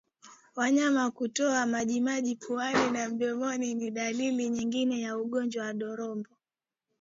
Wanyama kutoka majimaji puani na mdomoni ni dalili nyingine ya ugonjwa wa ndorobo